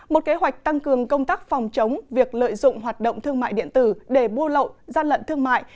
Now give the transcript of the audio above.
một kế hoạch tăng cường công tác phòng chống việc lợi dụng hoạt động thương mại điện tử để buôn lậu gian lận thương mại